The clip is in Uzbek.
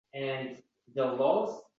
O‘zing madad bergil! Sen qutqarmasang –